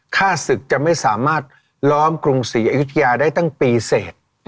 ฆ่าศึกจะไม่สามารถล้อมกรุงศรีอยุธยาได้ตั้งปีเสร็จ